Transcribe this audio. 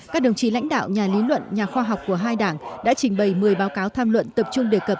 các đồng chí lãnh đạo nhà lý luận nhà khoa học của hai đảng đã trình bày một mươi báo cáo tham luận tập trung đề cập